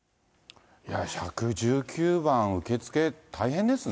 １１９番受け付け、大変ですね。